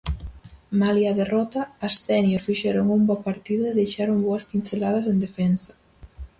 Malia a derrota, as sénior fixeron un bo partido e deixaron boas pinceladas en defensa.